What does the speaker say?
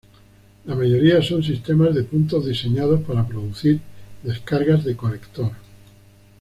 La mayoría son sistemas de puntos diseñados para producir descargas de colector.